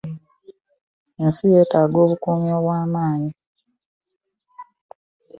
Ensi yetaaga obukuumi obwamaanyi.